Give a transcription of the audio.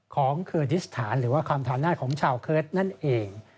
ของเคอร์ดิสถานหรือว่าความฐานนาฬของชาวเคิร์ดนั่นเอง